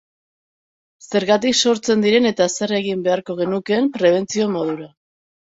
Zergatik sortzen diren eta zer egin beharko genukeen prebentzio modura.